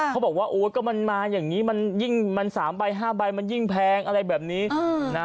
เขาบอกว่าโอ๊ยก็มันมาอย่างนี้มันยิ่งมัน๓ใบ๕ใบมันยิ่งแพงอะไรแบบนี้นะ